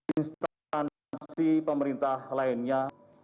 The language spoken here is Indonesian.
instansi pemerintah lainnya